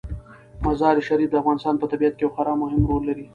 مزارشریف د افغانستان په طبیعت کې یو خورا مهم رول لري.